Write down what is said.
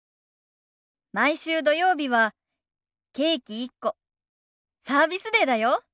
毎週土曜日はケーキ１個サービスデーだよ。